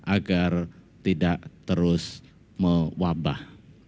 agar tidak terus mewabah